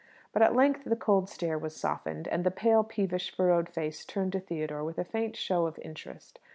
But at length the cold stare was softened, and the pale, peevish, furrowed face turned to Theodore with a faint show of interest.